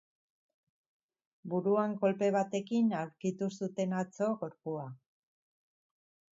Buruan kolpe batekin aurkitu zuten atzo gorpua.